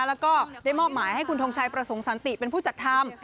แล้วก็ได้มอบหมายให้คุณทงชัยประสงค์สันติเป็นผู้จัดทำ